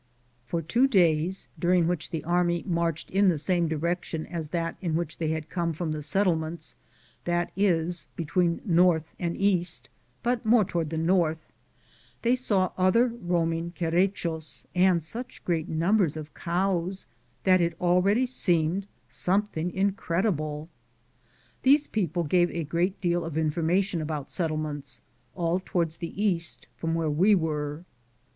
For two days, during which the army marched in the same direction as that in which they had coma from the settlements — that is, between north and east, but more toward the north — they aaw other roaming Querechos and such great numbers of cows that it already seemed something incredible. These people gave a great deal of information about settlements, all toward the east from where we were.!